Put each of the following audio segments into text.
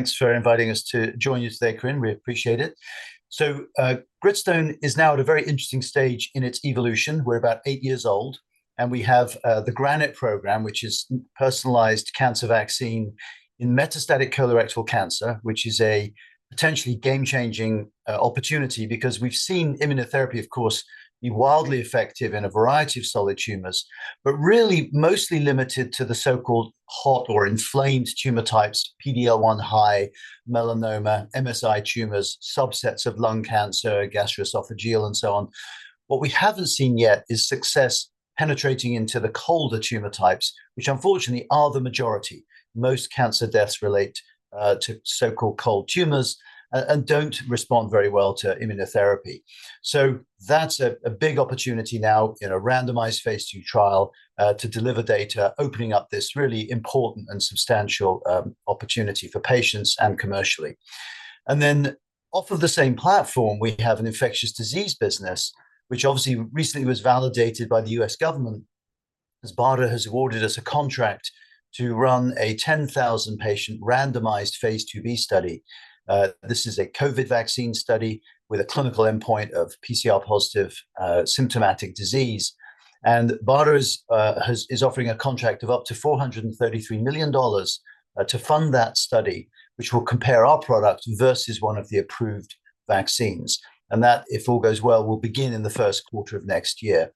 Thanks for inviting us to join you today, Corinne, we appreciate it. So, Gritstone is now at a very interesting stage in its evolution. We're about eight years old, and we have, the GRANITE program, which is personalized cancer vaccine in metastatic colorectal cancer, which is a potentially game-changing, opportunity. Because we've seen immunotherapy, of course, be wildly effective in a variety of solid tumors, but really mostly limited to the so-called hot or inflamed tumor types, PD-L1 high, melanoma, MSI tumors, subsets of lung cancer, gastroesophageal, and so on. What we haven't seen yet is success penetrating into the colder tumor types, which unfortunately are the majority. Most cancer deaths relate, to so-called cold tumors, and don't respond very well to immunotherapy. So that's a big opportunity now in a randomized phase II trial to deliver data, opening up this really important and substantial opportunity for patients and commercially. And then off of the same platform, we have an infectious disease business, which obviously recently was validated by the U.S. government, as BARDA has awarded us a contract to run a 10,000-patient randomized phase II-B study. This is a COVID vaccine study with a clinical endpoint of PCR positive symptomatic disease. And BARDA is offering a contract of up to $433 million to fund that study, which will compare our product versus one of the approved vaccines. And that, if all goes well, will begin in the first quarter of next year.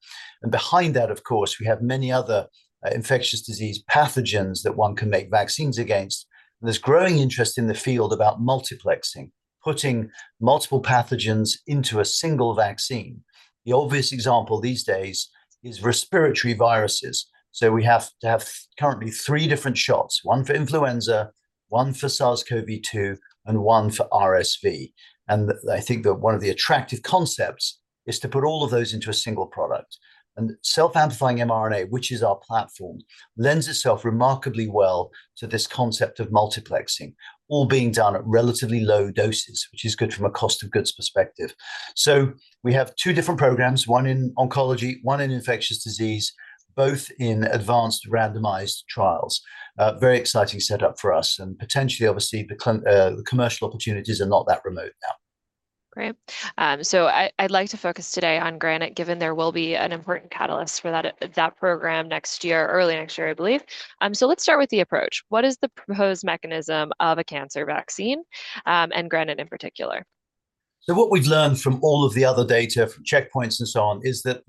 Behind that, of course, we have many other infectious disease pathogens that one can make vaccines against, and there's growing interest in the field about multiplexing, putting multiple pathogens into a single vaccine. The obvious example these days is respiratory viruses. So we have to have currently three different shots, one for influenza, one for SARS-CoV-2, and one for RSV. And, I think that one of the attractive concepts is to put all of those into a single product. And self-amplifying mRNA, which is our platform, lends itself remarkably well to this concept of multiplexing, all being done at relatively low doses, which is good from a cost of goods perspective. So we have two different programs, one in oncology, one in infectious disease, both in advanced randomized trials. Very exciting setup for us, and potentially, obviously, the commercial opportunities are not that remote now. Great. So I'd like to focus today on GRANITE, given there will be an important catalyst for that that program next year, early next year, I believe. So let's start with the approach. What is the proposed mechanism of a cancer vaccine, and GRANITE in particular? So what we've learned from all of the other data, from checkpoints and so on, is that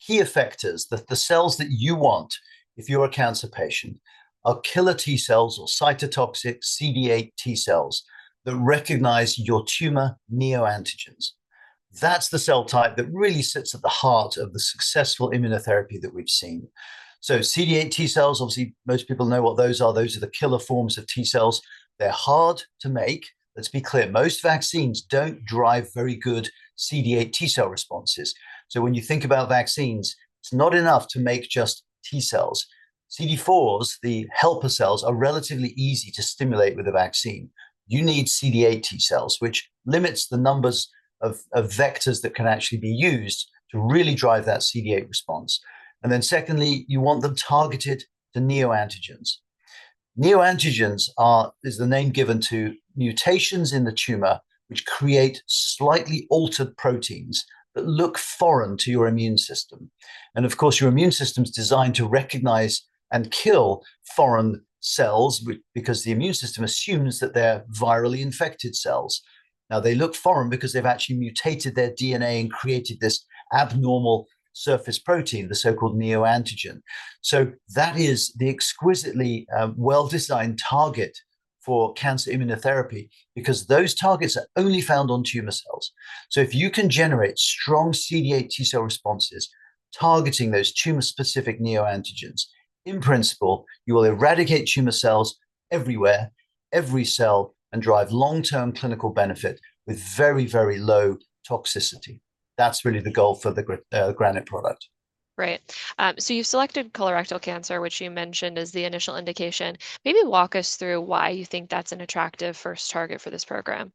key effectors, the cells that you want if you're a cancer patient, are killer T cells or cytotoxic CD8 T cells that recognize your tumor neoantigens. That's the cell type that really sits at the heart of the successful immunotherapy that we've seen. So CD8 T cells, obviously, most people know what those are. Those are the killer forms of T cells. They're hard to make. Let's be clear, most vaccines don't drive very good CD8 T cell responses. So when you think about vaccines, it's not enough to make just T cells. CD4s, the helper cells, are relatively easy to stimulate with a vaccine. You need CD8 T cells, which limits the numbers of vectors that can actually be used to really drive that CD8 response. And then secondly, you want them targeted to neoantigens. Neoantigens are the name given to mutations in the tumor, which create slightly altered proteins that look foreign to your immune system. And of course, your immune system is designed to recognize and kill foreign cells because the immune system assumes that they're virally infected cells. Now, they look foreign because they've actually mutated their DNA and created this abnormal surface protein, the so-called neoantigen. So that is the exquisitely, well-designed target for cancer immunotherapy because those targets are only found on tumor cells. So if you can generate strong CD8 T cell responses targeting those tumor-specific neoantigens, in principle, you will eradicate tumor cells everywhere, every cell, and drive long-term clinical benefit with very, very low toxicity. That's really the goal for the GRANITE product. Right. So you've selected colorectal cancer, which you mentioned is the initial indication. Maybe walk us through why you think that's an attractive first target for this program.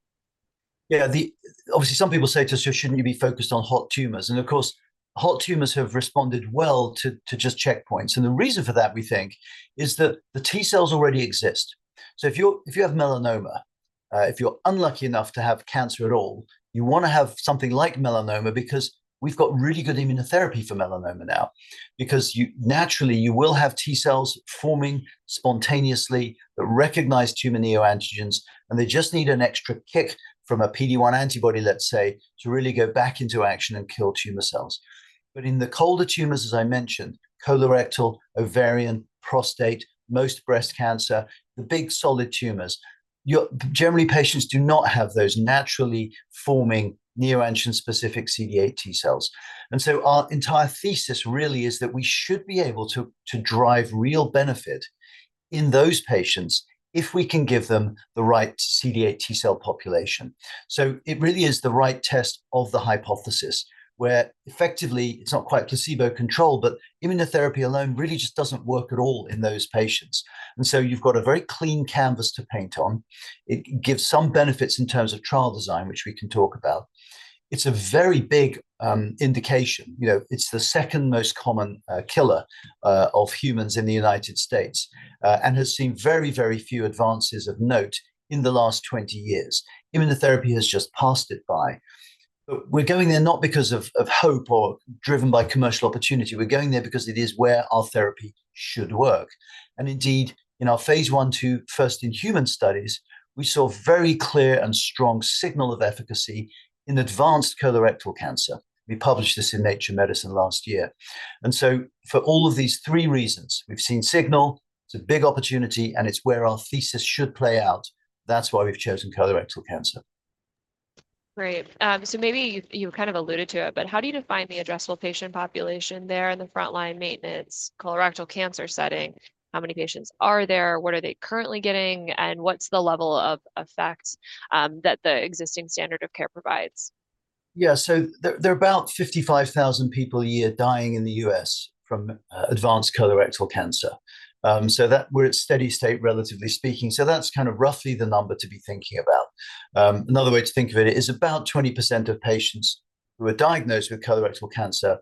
Yeah, obviously, some people say to us, "Well, shouldn't you be focused on hot tumors?" And of course, hot tumors have responded well to just checkpoints, and the reason for that, we think, is that the T cells already exist. So if you have melanoma, if you're unlucky enough to have cancer at all, you wanna have something like melanoma because we've got really good immunotherapy for melanoma now. Because you, naturally, you will have T cells forming spontaneously that recognize tumor neoantigens, and they just need an extra kick from a PD-1 antibody, let's say, to really go back into action and kill tumor cells. But in the colder tumors, as I mentioned, colorectal, ovarian, prostate, most breast cancer, the big, solid tumors, generally patients do not have those naturally forming neoantigen-specific CD8 T cells. And so our entire thesis really is that we should be able to, to drive real benefit in those patients if we can give them the right CD8 T cell population. So it really is the right test of the hypothesis, where effectively, it's not quite placebo-controlled, but immunotherapy alone really just doesn't work at all in those patients. And so you've got a very clean canvas to paint on. It gives some benefits in terms of trial design, which we can talk about. It's a very big indication. You know, it's the second most common killer of humans in the United States, and has seen very, very few advances of note in the last 20 years. Immunotherapy has just passed it by. But we're going there not because of hope or driven by commercial opportunity. We're going there because it is where our therapy should work, and indeed, in our phase I/II first-in-human studies, we saw very clear and strong signal of efficacy in advanced colorectal cancer. We published this in Nature Medicine last year. And so for all of these three reasons, we've seen signal, it's a big opportunity, and it's where our thesis should play out. That's why we've chosen colorectal cancer. Great. So maybe you've kind of alluded to it, but how do you define the addressable patient population there in the frontline maintenance, colorectal cancer setting? How many patients are there? What are they currently getting, and what's the level of effect that the existing standard of care provides? Yeah, so there, there are about 55,000 people a year dying in the U.S. from advanced colorectal cancer. So we're at steady state, relatively speaking, so that's kind of roughly the number to be thinking about. Another way to think of it is about 20% of patients who are diagnosed with colorectal cancer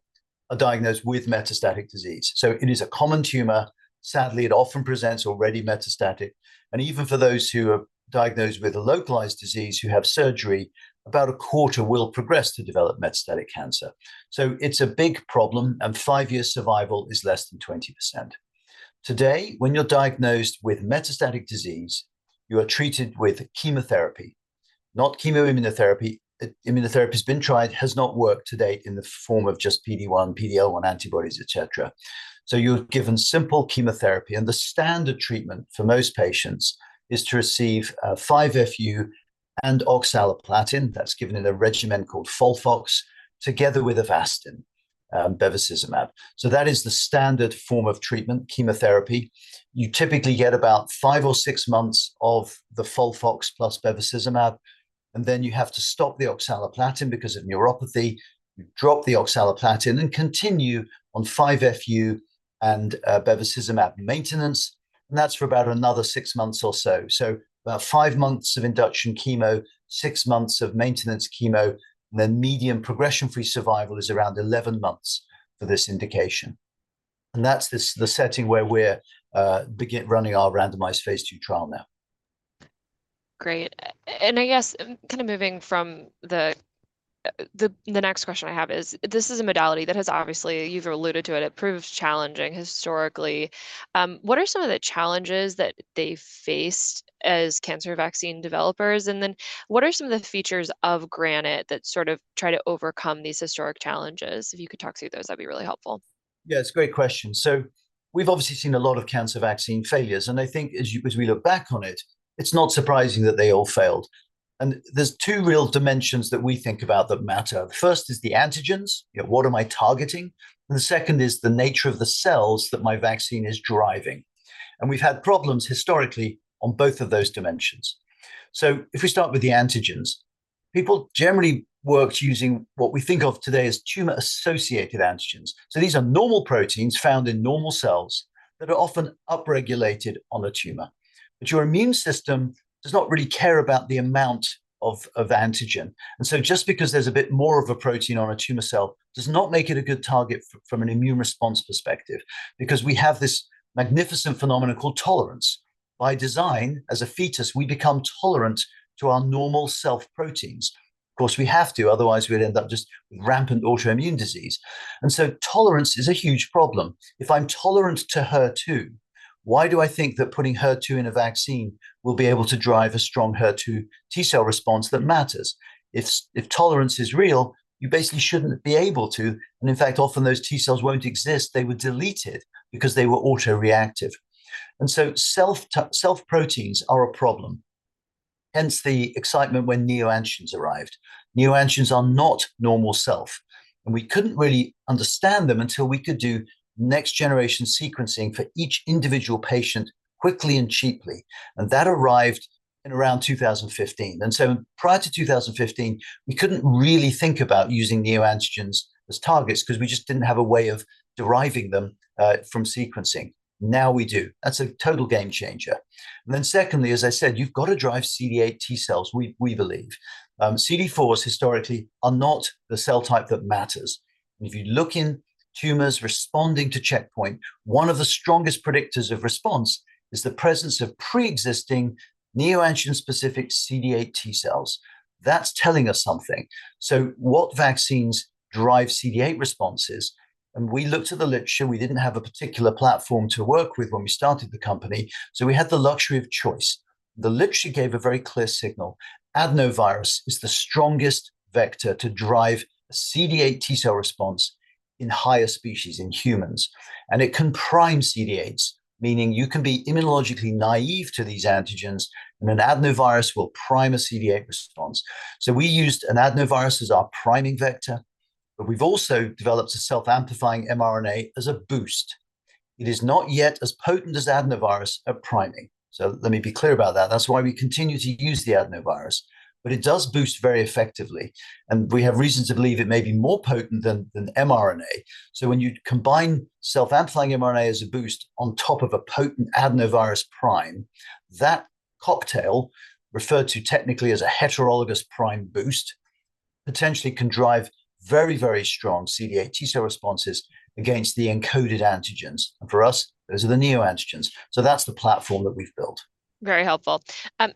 are diagnosed with metastatic disease. So it is a common tumor. Sadly, it often presents already metastatic, and even for those who are diagnosed with a localized disease, who have surgery, about a quarter will progress to develop metastatic cancer. So it's a big problem, and five-year survival is less than 20%. Today, when you're diagnosed with metastatic disease, you are treated with chemotherapy, not chemoimmunotherapy. Immunotherapy's been tried, has not worked to date in the form of just PD-1, PD-L1 antibodies, et cetera. So you're given simple chemotherapy, and the standard treatment for most patients is to receive 5-FU and oxaliplatin. That's given in a regimen called FOLFOX, together with Avastin, bevacizumab. So that is the standard form of treatment, chemotherapy. You typically get about five or six months of the FOLFOX plus bevacizumab, and then you have to stop the oxaliplatin because of neuropathy. You drop the oxaliplatin and continue on 5-FU and bevacizumab maintenance, and that's for about another six months or so. So about five months of induction chemo, six months of maintenance chemo, then median progression-free survival is around 11 months for this indication. And that's this, the setting where we're running our randomized phase II trial now. Great. And I guess, kind of moving from the next question I have is, this is a modality that has obviously, you've alluded to it, it proves challenging historically. What are some of the challenges that they faced as cancer vaccine developers? And then what are some of the features of GRANITE that sort of try to overcome these historic challenges? If you could talk through those, that'd be really helpful. Yeah, it's a great question. We've obviously seen a lot of cancer vaccine failures, and I think as you, as we look back on it, it's not surprising that they all failed. There's two real dimensions that we think about that matter. First is the antigens. You know, what am I targeting? The second is the nature of the cells that my vaccine is driving. We've had problems historically on both of those dimensions. If we start with the antigens, people generally worked using what we think of today as tumor-associated antigens. These are normal proteins found in normal cells that are often upregulated on a tumor. But your immune system does not really care about the amount of the antigen, and so just because there's a bit more of a protein on a tumor cell, does not make it a good target from an immune response perspective, because we have this magnificent phenomenon called tolerance. By design, as a fetus, we become tolerant to our normal self-proteins. Of course, we have to, otherwise we'd end up just rampant autoimmune disease. And so tolerance is a huge problem. If I'm tolerant to HER2, why do I think that putting HER2 in a vaccine will be able to drive a strong HER2 T cell response that matters? If tolerance is real, you basically shouldn't be able to, and in fact, often those T cells won't exist. They were deleted because they were autoreactive. And so self-proteins are a problem, hence the excitement when neoantigens arrived. Neoantigens are not normal self, and we couldn't really understand them until we could do next-generation sequencing for each individual patient quickly and cheaply, and that arrived in around 2015. So prior to 2015, we couldn't really think about using neoantigens as targets 'cause we just didn't have a way of deriving them from sequencing. Now we do. That's a total game changer. And then secondly, as I said, you've got to drive CD8 T cells, we, we believe. CD4s historically are not the cell type that matters. And if you look in tumors responding to checkpoint, one of the strongest predictors of response is the presence of pre-existing neoantigen-specific CD8 T cells. That's telling us something. So what vaccines drive CD8 responses? And we looked at the literature. We didn't have a particular platform to work with when we started the company, so we had the luxury of choice. The literature gave a very clear signal. Adenovirus is the strongest vector to drive CD8 T cell response in higher species in humans, and it can prime CD8s, meaning you can be immunologically naive to these antigens, and an adenovirus will prime a CD8 response. So we used an adenovirus as our priming vector, but we've also developed a self-amplifying mRNA as a boost. It is not yet as potent as adenovirus at priming, so let me be clear about that. That's why we continue to use the adenovirus, but it does boost very effectively, and we have reason to believe it may be more potent than, than mRNA, so when you combine self-amplifying mRNA as a boost on top of a potent adenovirus prime, that cocktail, referred to technically as a heterologous prime boost, potentially can drive very, very strong CD8 T cell responses against the encoded antigens. And for us, those are the neoantigens. So that's the platform that we've built. Very helpful.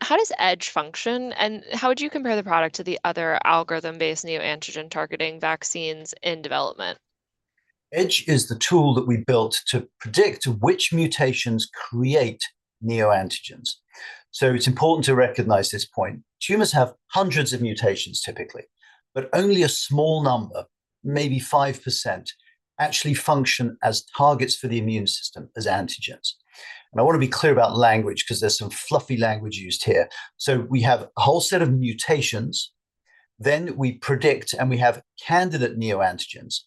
How does EDGE function, and how would you compare the product to the other algorithm-based neoantigen-targeting vaccines in development? EDGE is the tool that we built to predict which mutations create neoantigens. So it's important to recognize this point. Tumors have hundreds of mutations typically, but only a small number, maybe 5%, actually function as targets for the immune system, as antigens. And I wanna be clear about language, 'cause there's some fluffy language used here. So we have a whole set of mutations, then we predict, and we have candidate neoantigens.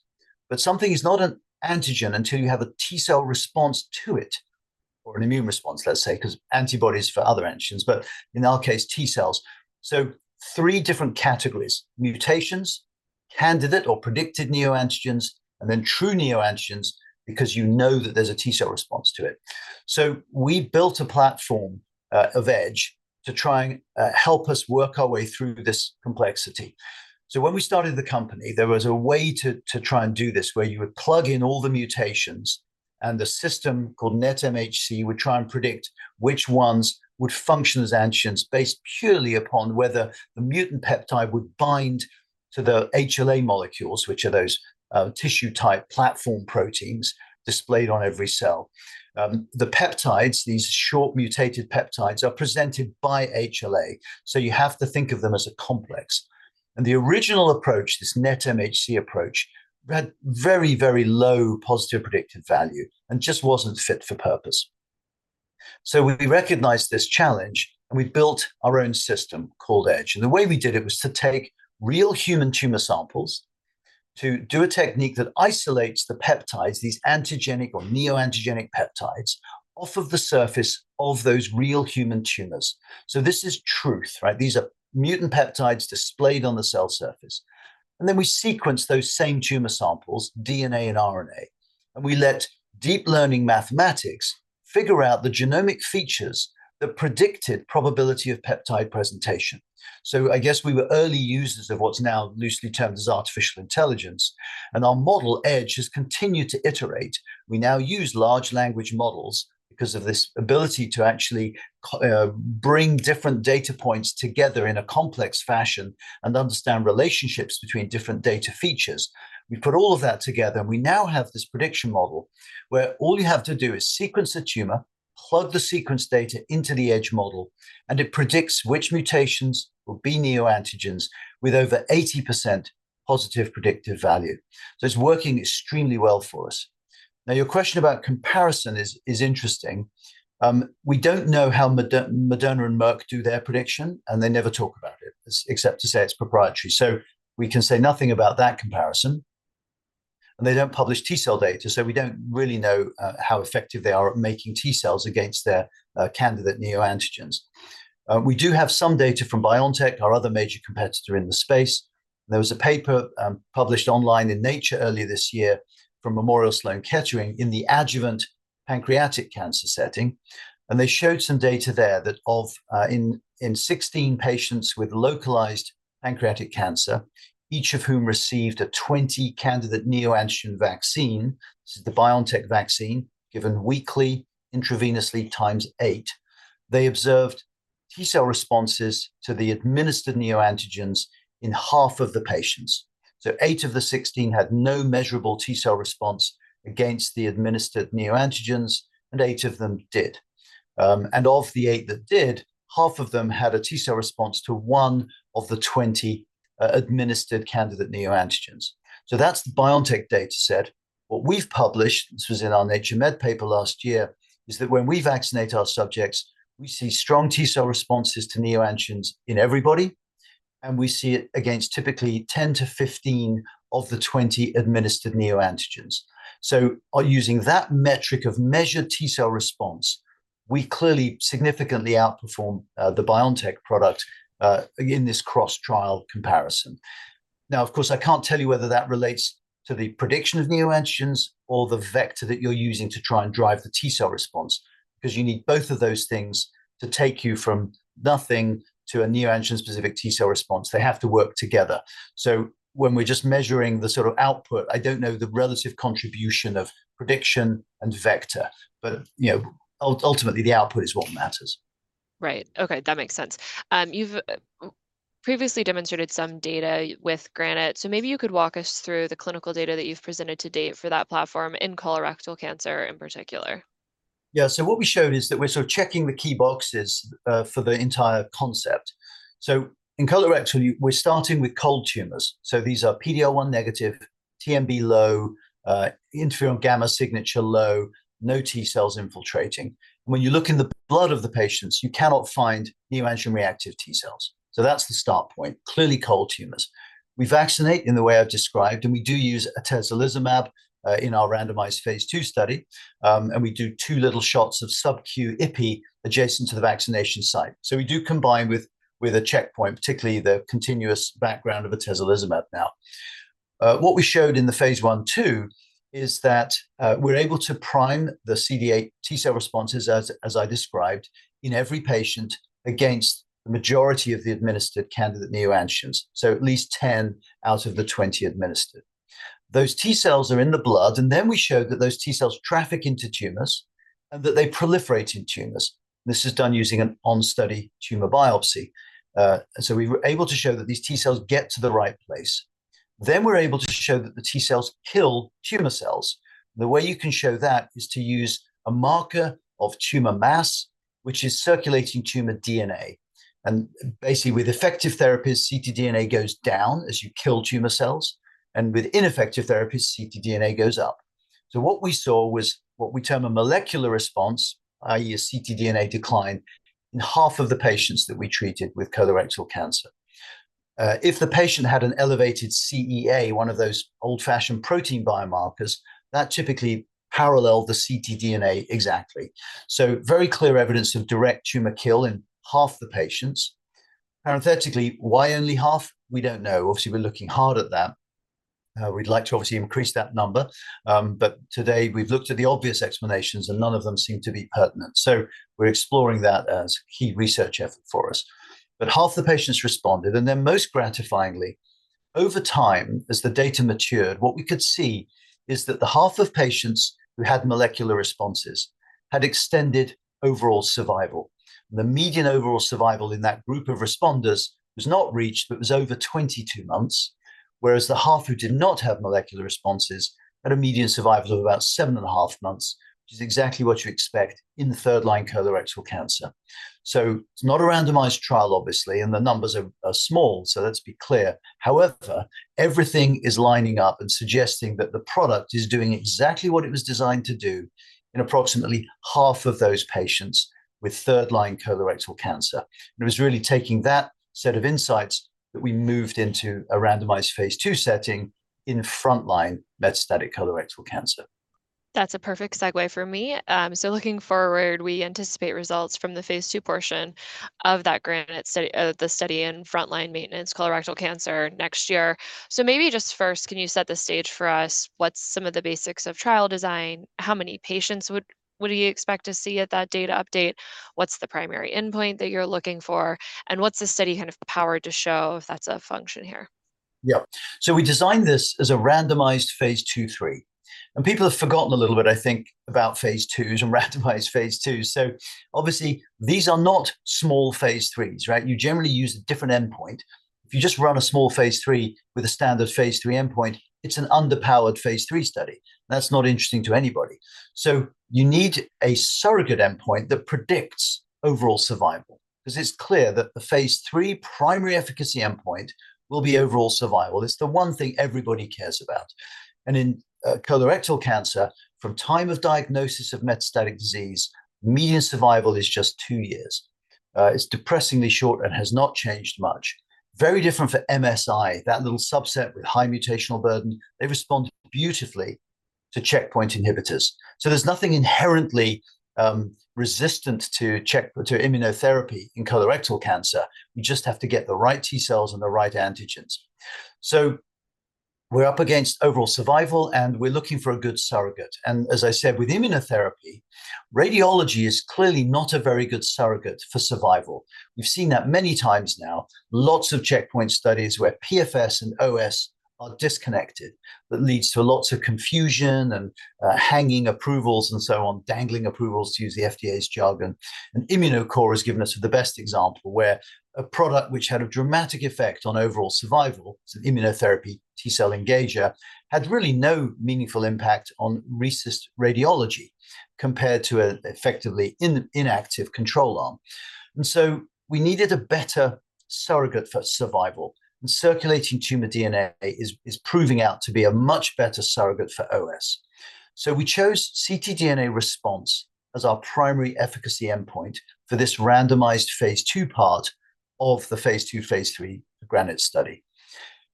But something is not an antigen until you have a T cell response to it, or an immune response, let's say, 'cause antibodies for other antigens, but in our case, T cells. So three different categories: mutations, candidate or predicted neoantigens, and then true neoantigens, because you know that there's a T cell response to it. So we built a platform of EDGE to try and help us work our way through this complexity. So when we started the company, there was a way to try and do this, where you would plug in all the mutations, and the system, called netMHC, would try and predict which ones would function as antigens based purely upon whether the mutant peptide would bind to the HLA molecules, which are those tissue-type platform proteins displayed on every cell. The peptides, these short mutated peptides, are presented by HLA, so you have to think of them as a complex. And the original approach, this netMHC approach, had very, very low positive predictive value, and just wasn't fit for purpose. So we recognized this challenge, and we built our own system called EDGE, and the way we did it was to take real human tumor samples, to do a technique that isolates the peptides, these antigenic or neoantigenic peptides, off of the surface of those real human tumors. So this is truth, right? These are mutant peptides displayed on the cell surface, and then we sequence those same tumor samples, DNA and RNA, and we let deep learning mathematics figure out the genomic features that predicted probability of peptide presentation. So I guess we were early users of what's now loosely termed as artificial intelligence, and our model, EDGE, has continued to iterate. We now use large language models, because of this ability to actually bring different data points together in a complex fashion and understand relationships between different data features. We put all of that together, and we now have this prediction model, where all you have to do is sequence a tumor, plug the sequence data into the EDGE model, and it predicts which mutations will be neoantigens with over 80% positive predictive value. So it's working extremely well for us. Now, your question about comparison is interesting. We don't know how Moderna and Merck do their prediction, and they never talk about it, except to say it's proprietary. So we can say nothing about that comparison, and they don't publish T cell data, so we don't really know how effective they are at making T cells against their candidate neoantigens. We do have some data from BioNTech, our other major competitor in the space. There was a paper published online in Nature earlier this year from Memorial Sloan Kettering in the adjuvant pancreatic cancer setting, and they showed some data there that in 16 patients with localized pancreatic cancer, each of whom received a 20-candidate neoantigen vaccine, this is the BioNTech vaccine, given weekly intravenously times eight. They observed T cell responses to the administered neoantigens in half of the patients. So eight of the 16 had no measurable T cell response against the administered neoantigens, and eight of them did. And of the eight that did, half of them had a T cell response to one of the 20 administered candidate neoantigens. So that's the BioNTech data set. What we've published, this was in our Nature Med paper last year, is that when we vaccinate our subjects, we see strong T cell responses to neoantigens in everybody, and we see it against typically 10-15 of the 20 administered neoantigens. So by using that metric of measured T cell response, we clearly significantly outperform the BioNTech product in this cross-trial comparison. Now, of course, I can't tell you whether that relates to the prediction of neoantigens or the vector that you're using to try and drive the T cell response, 'cause you need both of those things to take you from nothing to a neoantigen-specific T cell response. They have to work together. So when we're just measuring the sort of output, I don't know the relative contribution of prediction and vector. But, you know, ultimately, the output is what matters. Right. Okay, that makes sense. You've previously demonstrated some data with GRANITE, so maybe you could walk us through the clinical data that you've presented to date for that platform in colorectal cancer in particular. Yeah, so what we showed is that we're sort of checking the key boxes for the entire concept. So in colorectal, we're starting with cold tumors, so these are PD-L1 negative, TMB low, interferon gamma signature low, no T cells infiltrating. When you look in the blood of the patients, you cannot find neoantigen reactive T cells. So that's the start point, clearly cold tumors. We vaccinate in the way I've described, and we do use atezolizumab in our randomized phase II study. And we do two little shots of subQ epi adjacent to the vaccination site. So we do combine with a checkpoint, particularly the continuous background of atezolizumab now. What we showed in the phase I/II is that, we're able to prime the CD8 T cell responses, as I described, in every patient against the majority of the administered candidate neoantigens, so at least 10 out of the 20 administered. Those T cells are in the blood, and then we showed that those T cells traffic into tumors, and that they proliferate in tumors. This is done using an on-study tumor biopsy. And so we were able to show that these T cells get to the right place. Then we're able to show that the T cells kill tumor cells. The way you can show that is to use a marker of tumor mass, which is circulating tumor DNA, and basically, with effective therapies, ctDNA goes down as you kill tumor cells, and with ineffective therapies, ctDNA goes up. So what we saw was what we term a molecular response, i.e., a ctDNA decline, in half of the patients that we treated with colorectal cancer. If the patient had an elevated CEA, one of those old-fashioned protein biomarkers, that typically paralleled the ctDNA exactly. So very clear evidence of direct tumor kill in half the patients. Parenthetically, why only half? We don't know. Obviously, we're looking hard at that. We'd like to obviously increase that number. But today we've looked at the obvious explanations, and none of them seem to be pertinent, so we're exploring that as key research effort for us. But half the patients responded, and then most gratifyingly, over time, as the data matured, what we could see is that the half of patients who had molecular responses had extended overall survival. The median overall survival in that group of responders was not reached, but was over 22 months, whereas the half who did not have molecular responses had a median survival of about 7.5 months, which is exactly what you expect in the third-line colorectal cancer. So it's not a randomized trial, obviously, and the numbers are, are small, so let's be clear. However, everything is lining up and suggesting that the product is doing exactly what it was designed to do in approximately half of those patients with third-line colorectal cancer. It was really taking that set of insights that we moved into a randomized phase II setting in frontline metastatic colorectal cancer. That's a perfect segue for me. So looking forward, we anticipate results from the phase II portion of that GRANITE study, the study in frontline maintenance colorectal cancer next year. So maybe just first, can you set the stage for us? What's some of the basics of trial design? How many patients would you expect to see at that data update? What's the primary endpoint that you're looking for? And what's the study kind of powered to show, if that's a function here? Yeah. So we designed this as a randomized phase II/III, and people have forgotten a little bit, I think, about phase IIs and randomized phase IIs. So obviously, these are not small phase IIIs, right? You generally use a different endpoint. If you just run a small phase III with a standard phase III endpoint, it's an underpowered phase III study. That's not interesting to anybody. So you need a surrogate endpoint that predicts overall survival, 'cause it's clear that the phase III primary efficacy endpoint will be overall survival. It's the one thing everybody cares about. And in colorectal cancer, from time of diagnosis of metastatic disease, median survival is just two years. It's depressingly short and has not changed much. Very different for MSI, that little subset with high mutational burden, they respond beautifully to checkpoint inhibitors. So there's nothing inherently resistant to check to immunotherapy in colorectal cancer. You just have to get the right T cells and the right antigens. So we're up against overall survival, and we're looking for a good surrogate. And as I said, with immunotherapy, radiology is clearly not a very good surrogate for survival. We've seen that many times now. Lots of checkpoint studies where PFS and OS are disconnected. That leads to lots of confusion and hanging approvals and so on, dangling approvals, to use the FDA's jargon. And Immunocore has given us the best example, where a product which had a dramatic effect on overall survival, so immunotherapy T cell engager, had really no meaningful impact on RECIST radiology compared to an effectively inactive control arm. And so we needed a better surrogate for survival, and circulating tumor DNA is proving out to be a much better surrogate for OS. We chose ctDNA response as our primary efficacy endpoint for this randomized phase II part of the phase II/III GRANITE study.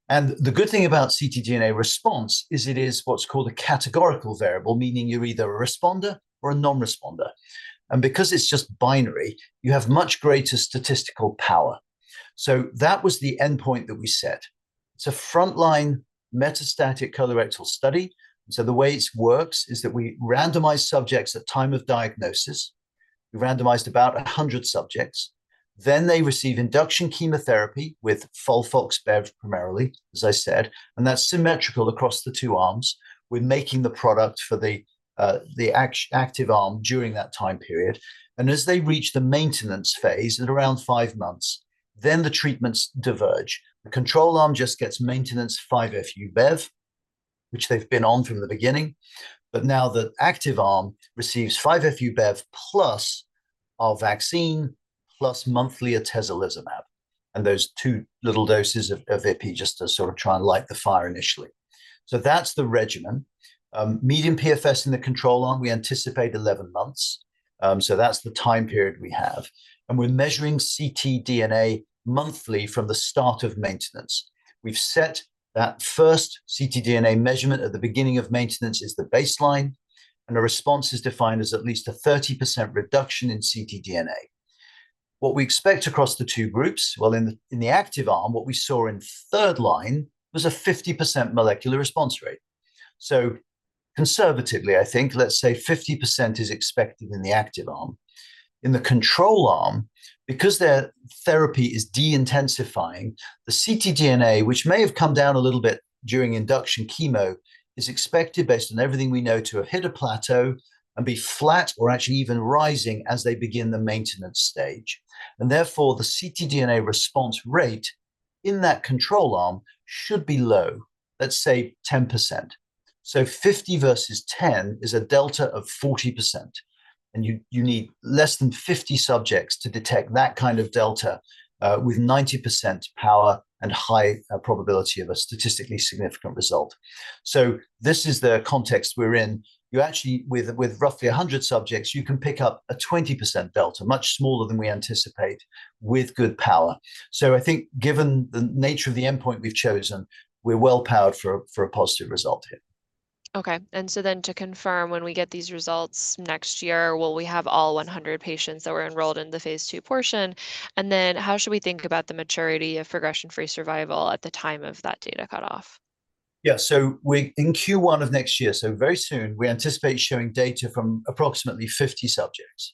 The good thing about ctDNA response is it is what's called a categorical variable, meaning you're either a responder or a non-responder. Because it's just binary, you have much greater statistical power. That was the endpoint that we set. It's a frontline metastatic colorectal study, so the way it works is that we randomize subjects at time of diagnosis. We randomized about 100 subjects. They receive induction chemotherapy with FOLFOX bev primarily, as I said, and that's symmetrical across the two arms. We're making the product for the active arm during that time period. As they reach the maintenance phase at around five months, then the treatments diverge. The control arm just gets maintenance 5-FU bev, which they've been on from the beginning. But now the active arm receives 5-FU bev plus our vaccine, plus monthly atezolizumab, and those two little doses of [IP] just to sort of try and light the fire initially. So that's the regimen. Median PFS in the control arm, we anticipate 11 months. So that's the time period we have. And we're measuring ctDNA monthly from the start of maintenance. We've set that first ctDNA measurement at the beginning of maintenance as the baseline, and a response is defined as at least a 30% reduction in ctDNA. What we expect across the two groups, well, in the active arm, what we saw in third line was a 50% molecular response rate. So conservatively, I think, let's say 50% is expected in the active arm. In the control arm, because their therapy is de-intensifying, the ctDNA, which may have come down a little bit during induction chemo, is expected, based on everything we know, to have hit a plateau and be flat or actually even rising as they begin the maintenance stage. Therefore, the ctDNA response rate in that control arm should be low, let's say 10%. So 50 versus 10 is a delta of 40%, and you need less than 50 subjects to detect that kind of delta with 90% power and high probability of a statistically significant result. So this is the context we're in. You actually with roughly 100 subjects, you can pick up a 20% delta, much smaller than we anticipate, with good power. So I think given the nature of the endpoint we've chosen, we're well-powered for a positive result here. Okay, so then to confirm, when we get these results next year, will we have all 100 patients that were enrolled in the phase II portion? And then how should we think about the maturity of progression-free survival at the time of that data cutoff? Yeah, so in Q1 of next year, so very soon, we anticipate showing data from approximately 50 subjects.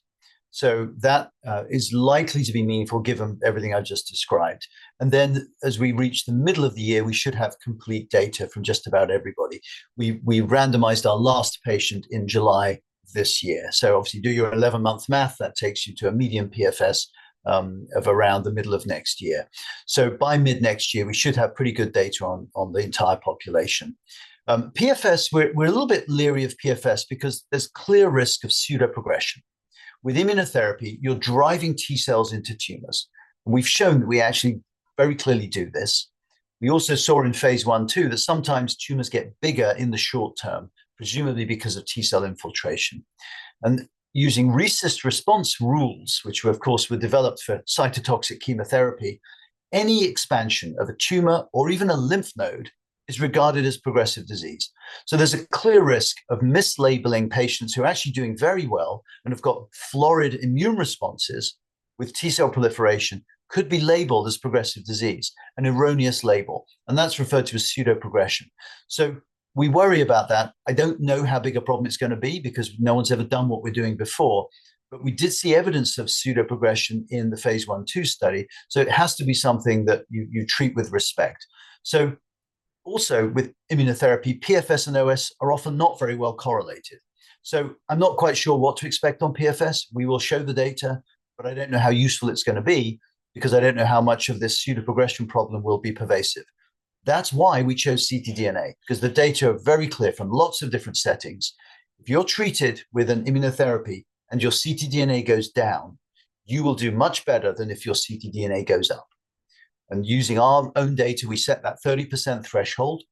So that is likely to be meaningful, given everything I just described. And then as we reach the middle of the year, we should have complete data from just about everybody. We randomized our last patient in July this year. So obviously, do your 11-month math, that takes you to a median PFS of around the middle of next year. So by mid-next year, we should have pretty good data on the entire population. PFS, we're a little bit leery of PFS because there's clear risk of pseudo progression. With immunotherapy, you're driving T cells into tumors. We've shown we actually very clearly do this. We also saw in phase I too, that sometimes tumors get bigger in the short term, presumably because of T-cell infiltration. Using RECIST response rules, which were, of course, developed for cytotoxic chemotherapy, any expansion of a tumor or even a lymph node is regarded as progressive disease. There's a clear risk of mislabeling patients who are actually doing very well and have got florid immune responses with T-cell proliferation, could be labeled as progressive disease, an erroneous label, and that's referred to as pseudo progression. We worry about that. I don't know how big a problem it's gonna be because no one's ever done what we're doing before, but we did see evidence of pseudo progression in the phase I/II study, so it has to be something that you treat with respect. Also, with immunotherapy, PFS and OS are often not very well correlated, so I'm not quite sure what to expect on PFS. We will show the data, but I don't know how useful it's gonna be because I don't know how much of this pseudo progression problem will be pervasive. That's why we chose ctDNA, 'cause the data are very clear from lots of different settings. If you're treated with an immunotherapy and your ctDNA goes down, you will do much better than if your ctDNA goes up, and using our own data, we set that 30% threshold.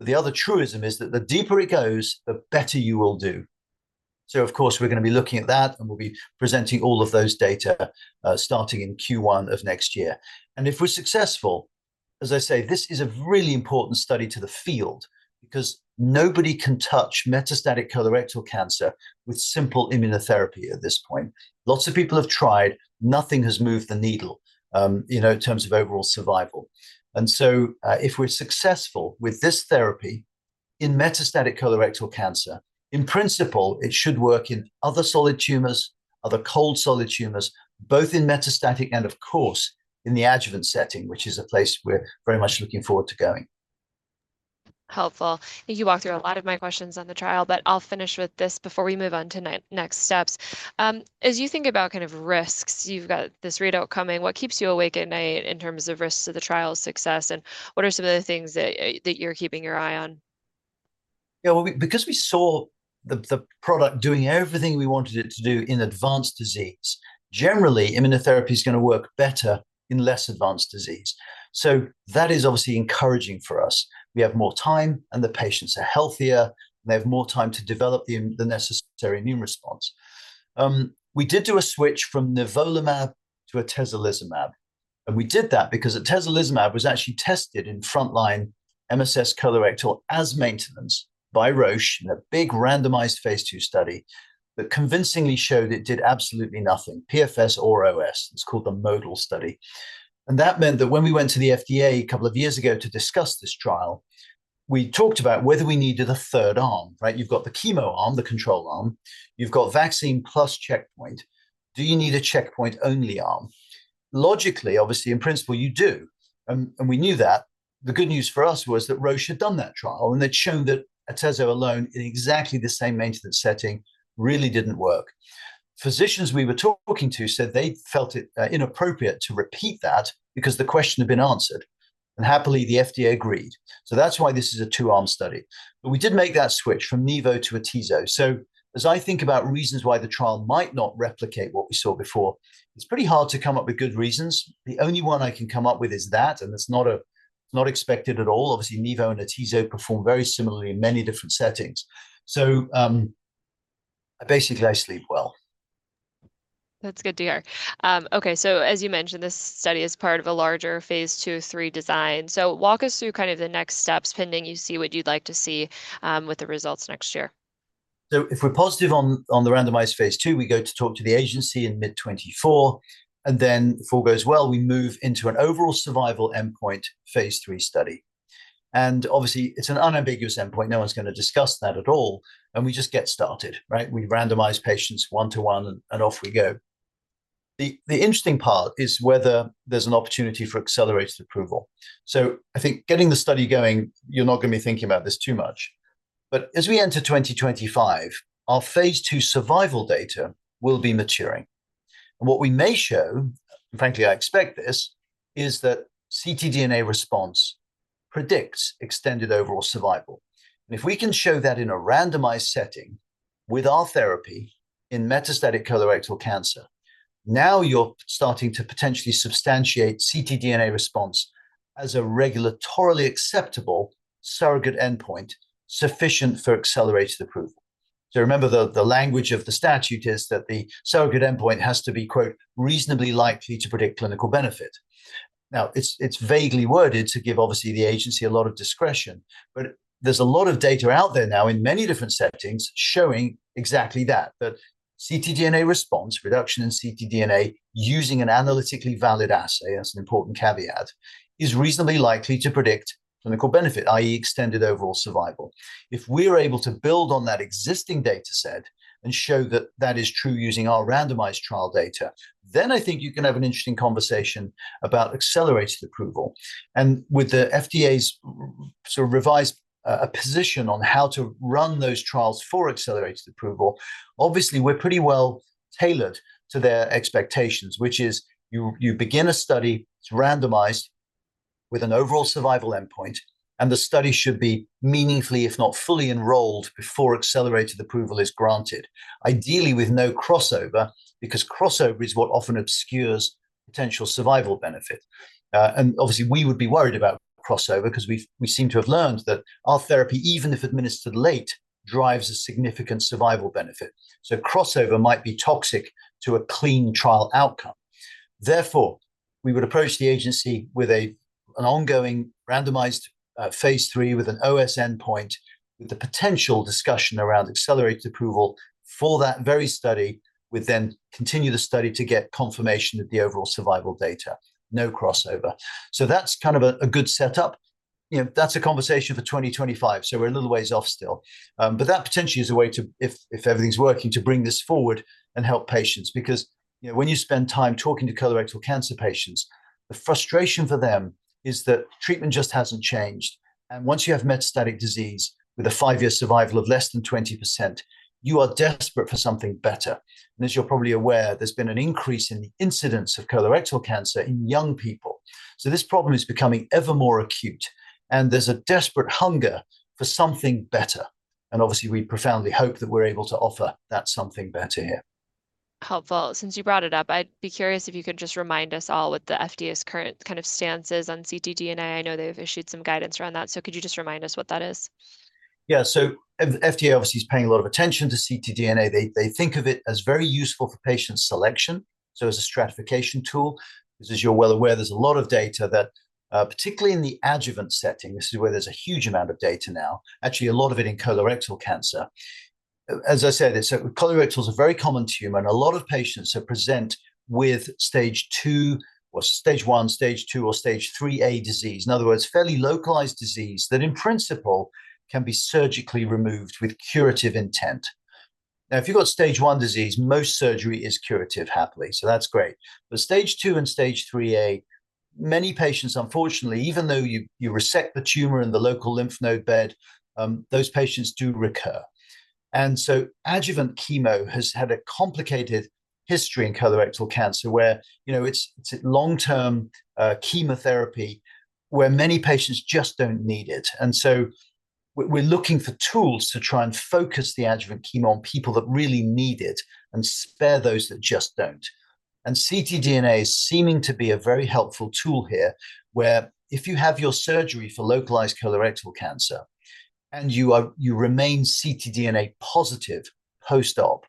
The other truism is that the deeper it goes, the better you will do. So of course, we're gonna be looking at that, and we'll be presenting all of those data, starting in Q1 of next year. And if we're successful, as I say, this is a really important study to the field, because nobody can touch metastatic colorectal cancer with simple immunotherapy at this point. Lots of people have tried. Nothing has moved the needle, you know, in terms of overall survival. And so, if we're successful with this therapy in metastatic colorectal cancer, in principle, it should work in other solid tumors, other cold solid tumors, both in metastatic and of course, in the adjuvant setting, which is a place we're very much looking forward to going. Helpful. I think you walked through a lot of my questions on the trial, but I'll finish with this before we move on to next steps. As you think about kind of risks, you've got this readout coming, what keeps you awake at night in terms of risks to the trial's success, and what are some of the things that you're keeping your eye on? Yeah, well, because we saw the product doing everything we wanted it to do in advanced disease, generally, immunotherapy is gonna work better in less advanced disease. So that is obviously encouraging for us. We have more time, and the patients are healthier, and they have more time to develop the necessary immune response. We did do a switch from nivolumab to atezolizumab, and we did that because atezolizumab was actually tested in frontline MSS colorectal as maintenance by Roche in a big randomized phase II study that convincingly showed it did absolutely nothing, PFS or OS. It's called the MODUL study. And that meant that when we went to the FDA a couple of years ago to discuss this trial, we talked about whether we needed a third arm, right? You've got the chemo arm, the control arm. You've got vaccine plus checkpoint. Do you need a checkpoint-only arm? Logically, obviously, in principle, you do, and we knew that. The good news for us was that Roche had done that trial, and they'd shown that atezo alone, in exactly the same maintenance setting, really didn't work. Physicians we were talking to said they felt it inappropriate to repeat that because the question had been answered, and happily, the FDA agreed. So that's why this is a two-arm study. But we did make that switch from nivo to atezo. So as I think about reasons why the trial might not replicate what we saw before, it's pretty hard to come up with good reasons. The only one I can come up with is that, and it's not expected at all. Obviously, nivo and atezo perform very similarly in many different settings. So, basically, I sleep well. That's good to hear. Okay, so as you mentioned, this study is part of a larger phase II/III design. So walk us through kind of the next steps pending you see what you'd like to see, with the results next year. So if we're positive on the randomized phase II, we go to talk to the agency in mid-2024, and then if all goes well, we move into an overall survival endpoint phase III study. And obviously, it's an unambiguous endpoint. No one's gonna discuss that at all, and we just get started, right? We randomize patients 1:1, and off we go. The interesting part is whether there's an opportunity for accelerated approval. So I think getting the study going, you're not gonna be thinking about this too much. But as we enter 2025, our phase II survival data will be maturing, and what we may show, and frankly, I expect this, is that ctDNA response predicts extended overall survival. If we can show that in a randomized setting with our therapy in metastatic colorectal cancer, now you're starting to potentially substantiate ctDNA response as a regulatorily acceptable surrogate endpoint sufficient for accelerated approval. So remember, the language of the statute is that the surrogate endpoint has to be, quote, "reasonably likely to predict clinical benefit." Now, it's vaguely worded to give, obviously, the agency a lot of discretion, but there's a lot of data out there now in many different settings showing exactly that, that ctDNA response, reduction in ctDNA using an analytically valid assay, that's an important caveat, is reasonably likely to predict clinical benefit, i.e., extended overall survival. If we're able to build on that existing dataset and show that that is true using our randomized trial data, then I think you can have an interesting conversation about accelerated approval. With the FDA's sort of revised position on how to run those trials for accelerated approval, obviously we're pretty well-tailored to their expectations, which is you begin a study, it's randomized with an overall survival endpoint, and the study should be meaningfully, if not fully, enrolled before accelerated approval is granted, ideally with no crossover, because crossover is what often obscures potential survival benefit. Obviously, we would be worried about crossover 'cause we seem to have learned that our therapy, even if administered late, drives a significant survival benefit, so crossover might be toxic to a clean trial outcome. Therefore, we would approach the agency with an ongoing randomized phase III with an OS endpoint, with the potential discussion around accelerated approval for that very study. We'd then continue the study to get confirmation of the overall survival data, no crossover. So that's kind of a good setup. You know, that's a conversation for 2025, so we're a little ways off still. But that potentially is a way to, if everything's working, to bring this forward and help patients. Because, you know, when you spend time talking to colorectal cancer patients, the frustration for them is that treatment just hasn't changed, and once you have metastatic disease with a five-year survival of less than 20%, you are desperate for something better. And as you're probably aware, there's been an increase in the incidence of colorectal cancer in young people, so this problem is becoming ever more acute, and there's a desperate hunger for something better, and obviously, we profoundly hope that we're able to offer that something better here. Helpful. Since you brought it up, I'd be curious if you could just remind us all what the FDA's current kind of stance is on ctDNA. I know they've issued some guidance around that, so could you just remind us what that is? Yeah, so FDA obviously is paying a lot of attention to ctDNA. They, they think of it as very useful for patient selection, so as a stratification tool. As you're well aware, there's a lot of data that, particularly in the adjuvant setting, this is where there's a huge amount of data now, actually a lot of it in colorectal cancer. As I said, so colorectal is a very common tumor, and a lot of patients are present with Stage 2 or Stage 1, Stage 2, or Stage 3A disease. In other words, fairly localized disease that, in principle, can be surgically removed with curative intent. Now, if you've got Stage 1 disease, most surgery is curative happily, so that's great. But Stage 2 and Stage 3A, many patients, unfortunately, even though you, you resect the tumor in the local lymph node bed, those patients do recur. And so adjuvant chemo has had a complicated history in colorectal cancer, where, you know, it's, it's long-term chemotherapy, where many patients just don't need it. And so we're, we're looking for tools to try and focus the adjuvant chemo on people that really need it and spare those that just don't. And ctDNA is seeming to be a very helpful tool here, where if you have your surgery for localized colorectal cancer and you are- you remain ctDNA positive post-op,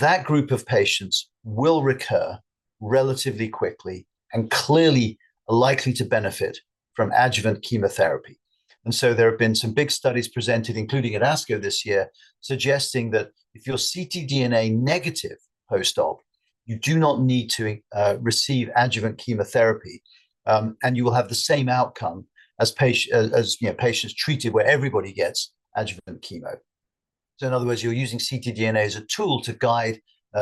that group of patients will recur relatively quickly and clearly are likely to benefit from adjuvant chemotherapy. And so there have been some big studies presented, including at ASCO this year, suggesting that if you're ctDNA negative post-op, you do not need to receive adjuvant chemotherapy, and you will have the same outcome as, you know, patients treated where everybody gets adjuvant chemo. So in other words, you're using ctDNA as a tool to guide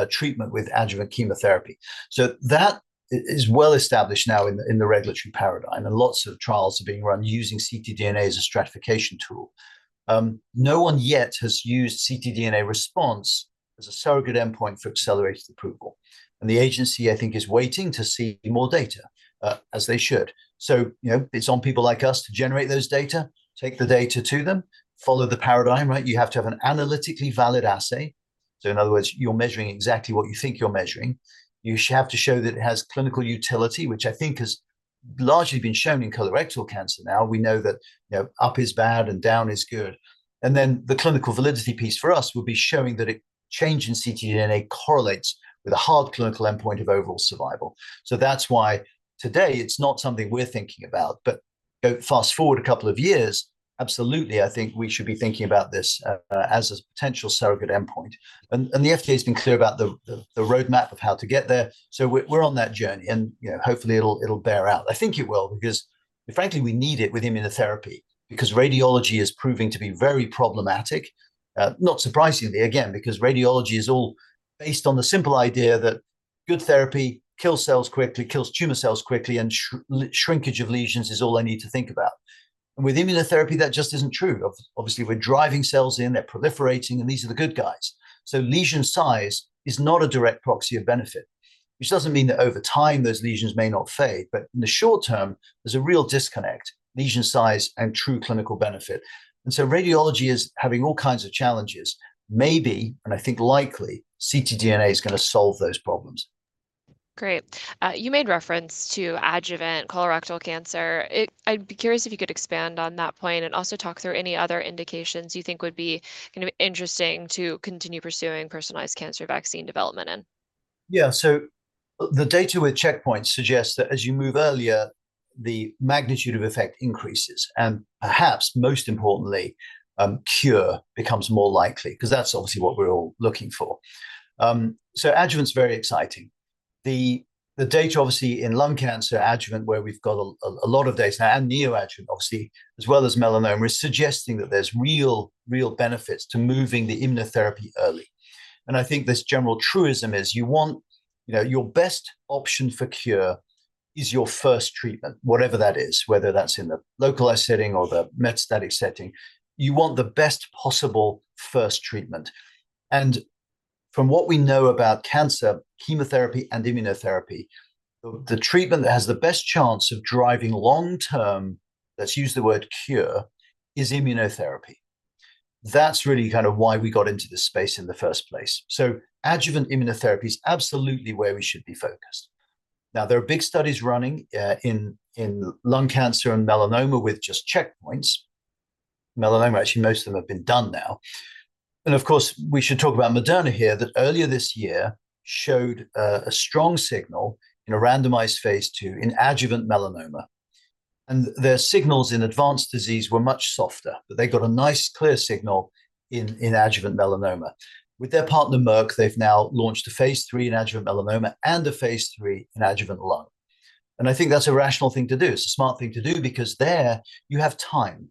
treatment with adjuvant chemotherapy. So that is well established now in the regulatory paradigm, and lots of trials are being run using ctDNA as a stratification tool. No one yet has used ctDNA response as a surrogate endpoint for accelerated approval, and the agency, I think, is waiting to see more data, as they should. So, you know, it's on people like us to generate those data, take the data to them, follow the paradigm, right? You have to have an analytically valid assay, so in other words, you're measuring exactly what you think you're measuring. You have to show that it has clinical utility, which I think is largely been shown in colorectal cancer now. We know that, you know, up is bad and down is good. And then the clinical validity piece for us will be showing that a change in ctDNA correlates with a hard clinical endpoint of overall survival. So that's why today it's not something we're thinking about, but go fast-forward a couple of years, absolutely, I think we should be thinking about this as a potential surrogate endpoint. And the FDA's been clear about the roadmap of how to get there, so we're on that journey, and, you know, hopefully it'll bear out. I think it will, because frankly, we need it with immunotherapy, because radiology is proving to be very problematic. Not surprisingly, again, because radiology is all based on the simple idea that good therapy kills cells quickly, kills tumor cells quickly, and shrinkage of lesions is all I need to think about. And with immunotherapy, that just isn't true. Obviously, we're driving cells in, they're proliferating, and these are the good guys. So lesion size is not a direct proxy of benefit, which doesn't mean that over time those lesions may not fade, but in the short term, there's a real disconnect, lesion size and true clinical benefit. And so radiology is having all kinds of challenges. Maybe, and I think likely, ctDNA is gonna solve those problems. Great. You made reference to adjuvant colorectal cancer. I'd be curious if you could expand on that point and also talk through any other indications you think would be kind of interesting to continue pursuing personalized cancer vaccine development in. Yeah, so the data with checkpoint suggests that as you move earlier, the magnitude of effect increases, and perhaps most importantly, cure becomes more likely, 'cause that's obviously what we're all looking for. So adjuvant's very exciting. The data obviously in lung cancer adjuvant, where we've got a lot of data and neoadjuvant, obviously, as well as melanoma, is suggesting that there's real benefits to moving the immunotherapy early. And I think this general truism is you want, you know, your best option for cure is your first treatment, whatever that is, whether that's in the localized setting or the metastatic setting. You want the best possible first treatment. And from what we know about cancer, chemotherapy, and immunotherapy, the treatment that has the best chance of driving long-term, let's use the word cure, is immunotherapy. That's really kind of why we got into this space in the first place. So adjuvant immunotherapy is absolutely where we should be focused. Now, there are big studies running in lung cancer and melanoma with just checkpoints. Melanoma, actually, most of them have been done now. And of course, we should talk about Moderna here, that earlier this year showed a strong signal in a randomized phase II in adjuvant melanoma. And their signals in advanced disease were much softer, but they got a nice, clear signal in adjuvant melanoma. With their partner, Merck, they've now launched a phase III in adjuvant melanoma and a phase III in adjuvant lung. And I think that's a rational thing to do. It's a smart thing to do because there you have time.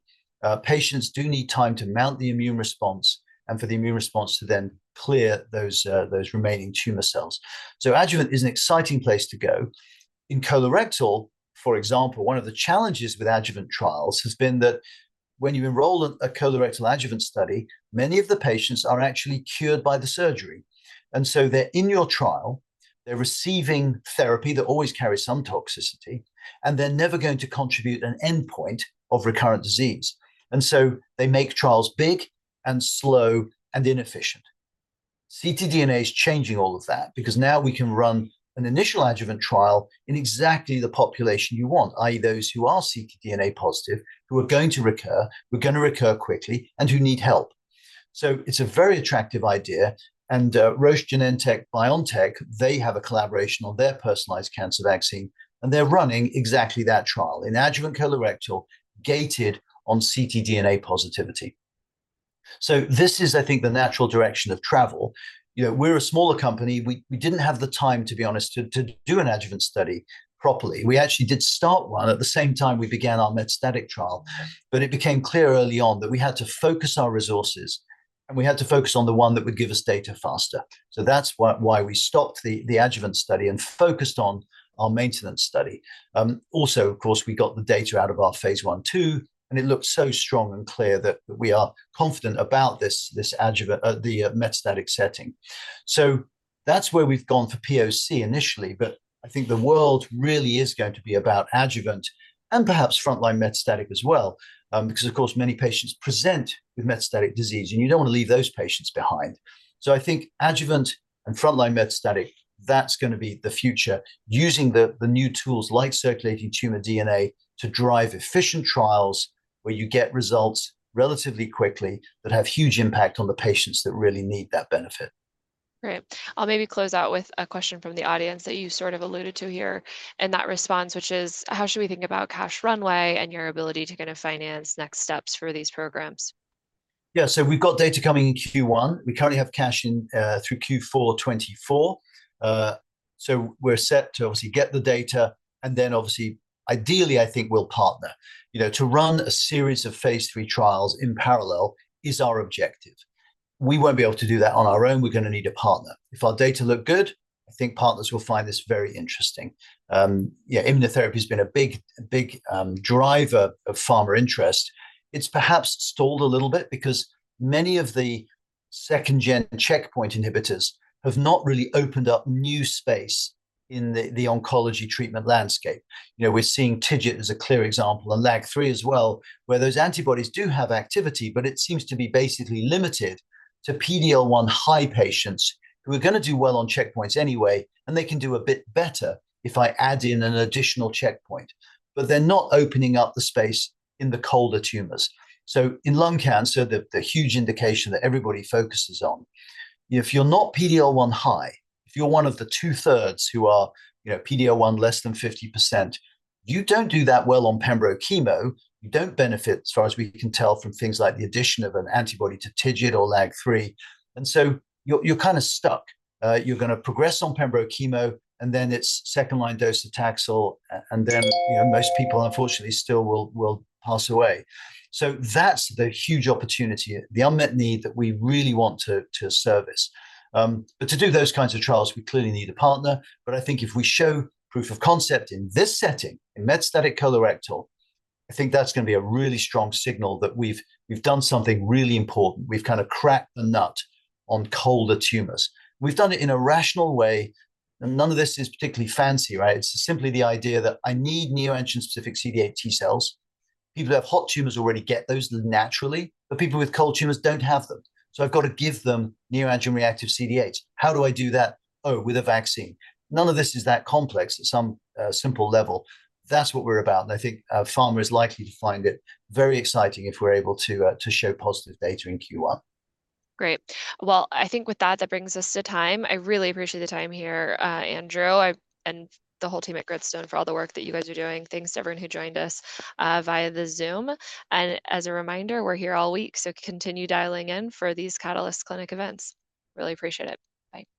Patients do need time to mount the immune response and for the immune response to then clear those remaining tumor cells. So adjuvant is an exciting place to go. In colorectal, for example, one of the challenges with adjuvant trials has been that when you enroll a colorectal adjuvant study, many of the patients are actually cured by the surgery. And so they're in your trial, they're receiving therapy that always carries some toxicity, and they're never going to contribute an endpoint of recurrent disease. And so they make trials big, and slow, and inefficient. ctDNA is changing all of that because now we can run an initial adjuvant trial in exactly the population you want, i.e., those who are ctDNA positive, who are going to recur, who are gonna recur quickly, and who need help. So it's a very attractive idea, and Roche/Genentech, BioNTech, they have a collaboration on their personalized cancer vaccine, and they're running exactly that trial, an adjuvant colorectal gated on ctDNA positivity. So this is, I think, the natural direction of travel. You know, we're a smaller company. We didn't have the time, to be honest, to do an adjuvant study properly. We actually did start one at the same time we began our metastatic trial, but it became clear early on that we had to focus our resources, and we had to focus on the one that would give us data faster. So that's why we stopped the adjuvant study and focused on our maintenance study. Also, of course, we got the data out of our phase I/II, and it looked so strong and clear that we are confident about the metastatic setting. So that's where we've gone for POC initially, but I think the world really is going to be about adjuvant and perhaps frontline metastatic as well. Because, of course, many patients present with metastatic disease, and you don't want to leave those patients behind. So I think adjuvant and frontline metastatic, that's gonna be the future, using the new tools like circulating tumor DNA to drive efficient trials, where you get results relatively quickly that have huge impact on the patients that really need that benefit. Great. I'll maybe close out with a question from the audience that you sort of alluded to here in that response, which is: How should we think about cash runway and your ability to kind of finance next steps for these programs? Yeah, so we've got data coming in Q1. We currently have cash in through Q4 2024. So we're set to obviously get the data, and then obviously, ideally, I think we'll partner. You know, to run a series of phase III trials in parallel is our objective. We won't be able to do that on our own. We're gonna need a partner. If our data look good, I think partners will find this very interesting. Yeah, immunotherapy's been a big, big driver of pharma interest. It's perhaps stalled a little bit because many of the second-gen checkpoint inhibitors have not really opened up new space in the oncology treatment landscape. You know, we're seeing TIGIT as a clear example, and LAG-3 as well, where those antibodies do have activity, but it seems to be basically limited to PD-L1 high patients who are gonna do well on checkpoints anyway, and they can do a bit better if I add in an additional checkpoint. But they're not opening up the space in the colder tumors. So in lung cancer, the huge indication that everybody focuses on, if you're not PD-L1 high, if you're one of the 2/3 who are, you know, PD-L1 less than 50%, you don't do that well on pembro chemo. You don't benefit, as far as we can tell, from things like the addition of an antibody to TIGIT or LAG-3. And so you're kind of stuck. You're gonna progress on pembro chemo, and then it's second-line docetaxel, and then, you know, most people, unfortunately, still will pass away. So that's the huge opportunity, the unmet need that we really want to service. But to do those kinds of trials, we clearly need a partner. But I think if we show proof of concept in this setting, in metastatic colorectal, I think that's gonna be a really strong signal that we've done something really important. We've kind of cracked the nut on colder tumors. We've done it in a rational way, and none of this is particularly fancy, right? It's simply the idea that I need neoantigen-specific CD8 T cells. People who have hot tumors already get those naturally, but people with cold tumors don't have them. So I've got to give them neoantigen-reactive CD8. How do I do that? Oh, with a vaccine. None of this is that complex at some simple level. That's what we're about, and I think pharma is likely to find it very exciting if we're able to show positive data in Q1. Great. Well, I think with that, that brings us to time. I really appreciate the time here, Andrew and the whole team at Gritstone, for all the work that you guys are doing. Thanks to everyone who joined us via the Zoom. As a reminder, we're here all week, so continue dialing in for these Catalyst Clinic events. Really appreciate it. Bye.